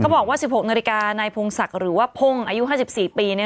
บอกว่า๑๖นาฬิกานายพงศักดิ์หรือว่าพ่งอายุ๕๔ปี